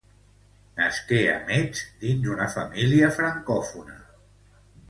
Nasqué a Metz dins una família francòfona.